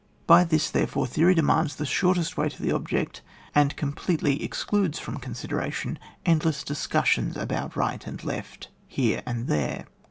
By this, therefore, theory demands the shortest way to the object, and com pletely excludes from consideration end less discussions about right and left here and there.